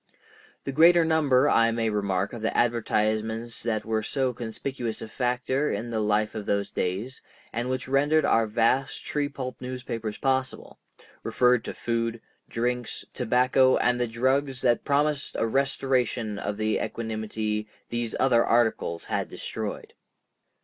The greater number, I may remark, of the advertisements that were so conspicuous a factor in the life of those days, and which rendered our vast tree pulp newspapers possible, referred to foods, drinks, tobacco, and the drugs that promised a restoration of the equanimity these other articles had destroyed.